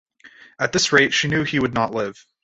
At this rate she knew he would not live.